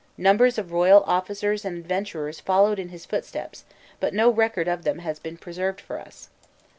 Numbers of royal officers and adventurers followed in his footsteps, but no record of them has been preserved for us.